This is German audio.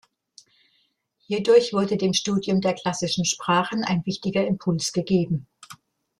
Hierdurch wurde dem Studium der klassischen Sprachen ein wichtiger Impuls gegeben.